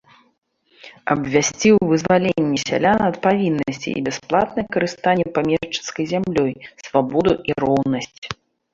Абвясціў вызваленне сялян ад павіннасцей і бясплатнае карыстанне памешчыцкай зямлёй, свабоду і роўнасць.